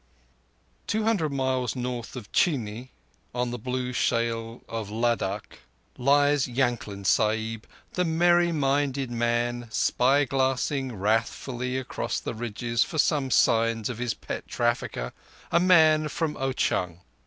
_ Two hundred miles north of Chini, on the blue shale of Ladakh, lies Yankling Sahib, the merry minded man, spy glassing wrathfully across the ridges for some sign of his pet tracker—a man from Ao chung.